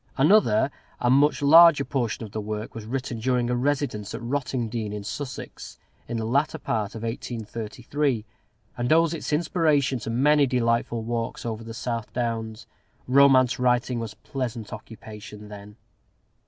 Another and much larger portion of the work was written during a residence at Rottingdean, in Sussex, in the latter part of 1833, and owes its inspiration to many delightful walks over the South Downs. Romance writing was pleasant occupation then.